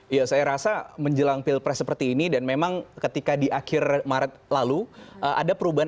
ya saya rasa menjelang pilpres seperti ini dan memang ketika di akhir maret lalu ada perubahan